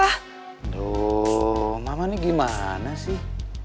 aduh mama ini gimana sih